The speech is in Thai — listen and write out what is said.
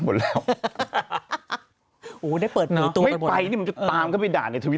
ครับไปหมดแล้ว